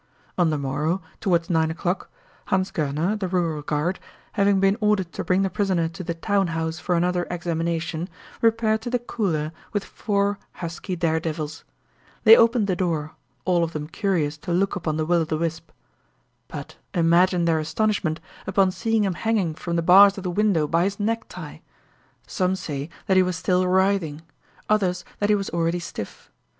On the morrow, toward nine o'clock, Hans Goerner, the rural guard, having been ordered to bring the prisoner to the town house for another examination, repaired to the cooler with four husky daredevils. They opened the door, all of them curious to look upon the Will o' the wisp. But imagine their astonishment upon seeing him hanging from the bars of the window by his necktie! Some said that he was still writhing; others that he was already stiff.